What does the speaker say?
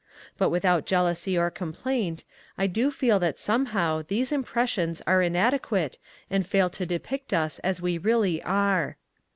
But without jealousy or complaint, I do feel that somehow these impressions are inadequate and fail to depict us as we really are.